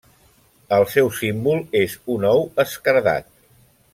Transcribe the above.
El seu símbol és un ou esquerdat.